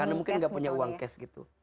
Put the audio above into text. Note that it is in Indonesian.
karena mungkin gak punya uang cash gitu